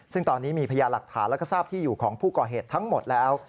ซึ่งตอนนี้มีพยาหลักฐานแล้วก็ทราบที่อยู่ของผู้ก่อเหตุทั้งหมดแล้ว